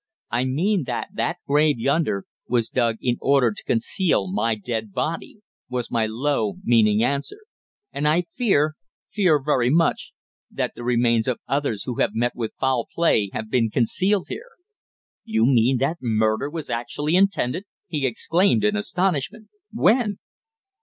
"I mean that that grave yonder was dug in order to conceal my dead body," was my low, meaning answer. "And I fear fear very much that the remains of others who have met with foul play have been concealed here!" "You mean that murder was actually intended!" he exclaimed in astonishment. "When?"